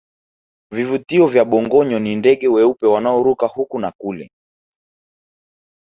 vivutio vya bongoyo ni ndege weupe wanaoruka huku na kule